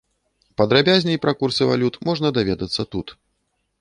Падрабязней пра курсы валют можна даведацца тут.